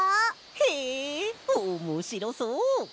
へえおもしろそう！